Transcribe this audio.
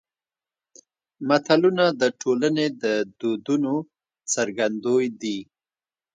متلونه د ټولنې د دودونو څرګندوی دي